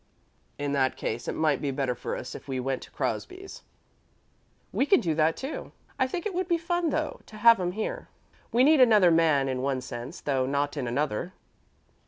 "In that case, it might be better for us if we went to Crosbys'." "We can do that, too. I think it would be fun, though, to have 'em here. We need another man in one sense, though not in another."